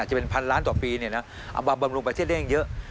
จะเป็นพันล้านต่อปีบำรุงประเทศเล่นเยอะ